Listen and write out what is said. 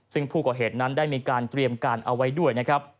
ซึ่งผู้ก่อเหตุนั้นได้มีการเตรียมการเอาไว้ด้วยนะครับ